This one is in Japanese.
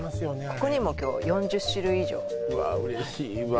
ここにも今日は４０種類以上うわ